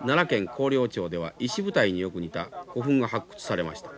広陵町では石舞台によく似た古墳が発掘されました。